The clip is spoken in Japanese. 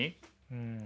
うん。